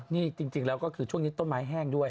นี่จริงแล้วก็คือช่วงนี้ต้นไม้แห้งด้วย